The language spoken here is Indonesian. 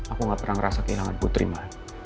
aku gak pernah ngerasa kehilangan putri mbak